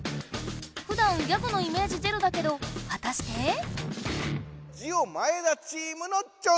ふだんギャグのイメージゼロだけどはたして⁉ジオ前田チームの挑戦！